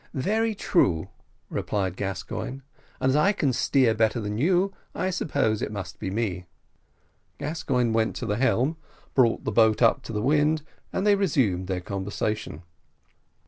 "Very true," replied Gascoigne; "and as I can steer better than you, I suppose it must be me." Gascoigne went to the helm, brought the boat up to the wind, and then they resumed their conversation.